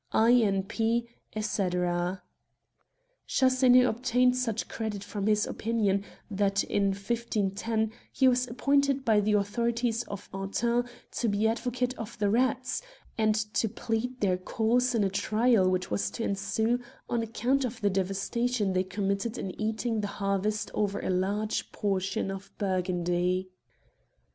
I. N. P.," etc. Chasseneux obtained such credit from this opinion 64 Queer Culprits that, in ijio, he waa appointed by the authorities of Autun to be advocate for the rats, and to plead their cause in a trial which was to ensue on account of the devastation they committed in eating the harvest over a large portion of Burgundy.